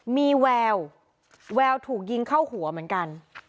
มีแววแววถูกยิงเข้าหัวเหมือนกัน